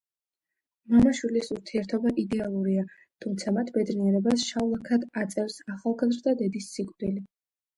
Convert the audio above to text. მამა-შვილის ურთიერთობა იდეალურია, თუმცა მათ ბედნიერებას შავ ლაქად აწევს ახალგაზრდა დედის სიკვდილი.